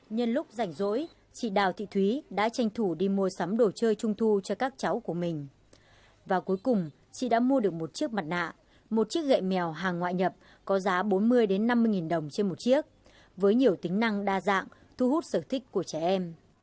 nhân lúc rảnh rỗi chị đào thị thúy đã tranh thủ đi mua sắm đồ chơi trung thu cho các cháu của mình và cuối cùng chị đã mua được một chiếc mặt nạ một chiếc gậy mèo hàng ngoại nhập có giá bốn mươi năm mươi nghìn đồng trên một chiếc với nhiều tính năng đa dạng thu hút sở thích của trẻ em